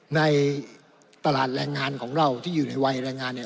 ในตลาดแรงงานของเราที่อยู่ในวัยแรงงานเนี่ย